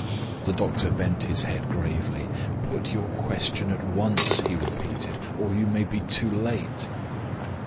The doctor bent his head gravely. "Put your question at once," he repeated, "or you may be too late."